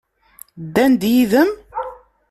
Ddan-d yid-m?